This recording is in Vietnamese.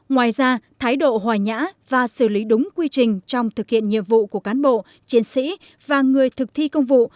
ngoài ra thái độ hòa nhã và xử lý đúng quy trình trong thực hiện nhiệm vụ của cán bộ chiến sĩ và người thực thi công vụ